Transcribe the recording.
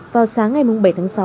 vào sáng ngày bảy tháng sáu